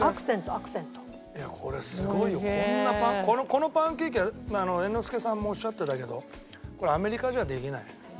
このパンケーキは猿之助さんもおっしゃってたけどこれアメリカじゃできない。